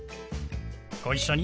ご一緒に。